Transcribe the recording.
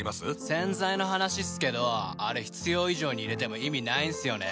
洗剤の話っすけどあれ必要以上に入れても意味ないんすよね。